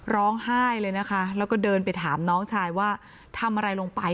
ร้องไห้เลยนะคะแล้วก็เดินไปถามน้องชายว่าทำอะไรลงไป